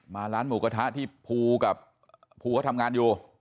ร้านหมูกระทะที่ภูกับภูเขาทำงานอยู่